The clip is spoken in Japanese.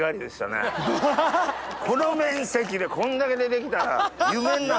この面積でこんだけ出てきたら。